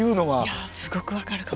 いやすごく分かるかも。